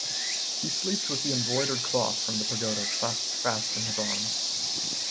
He sleeps with the embroidered cloth from the pagoda clasped fast in his arms.